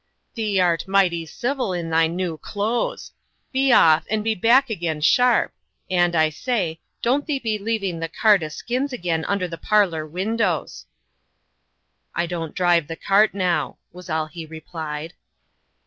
"Thee art mighty civil in thy new clothes. Be off, and be back again sharp; and, I say, don't thee be leaving the cart o' skins again under the parlour windows." "I don't drive the cart now," was all he replied.